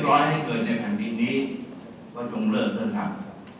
ถ้าให้เกิดในหันติดนี้ก็ยงเริ่มเท่านั้น